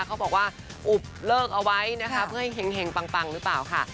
เขาบอกว่าอุบเลิกเอาไว้นะคะเพื่อให้เห็งปังหรือเปล่าค่ะ